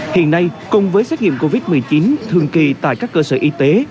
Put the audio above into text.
hiện nay cùng với xét nghiệm covid một mươi chín thường kỳ tại các cơ sở y tế